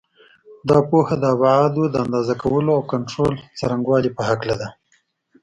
دا پوهه د ابعادو د اندازه کولو او کنټرول څرنګوالي په هکله ده.